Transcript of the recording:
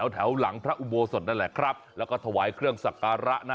แถวหลังพระอุโมสรและถวายเครื่องศการะ